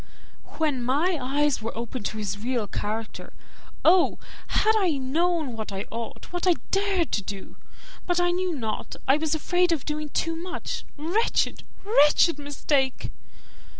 "When my eyes were opened to his real character, oh! had I known what I ought, what I dared to do! But I knew not I was afraid of doing too much. Wretched, wretched mistake!"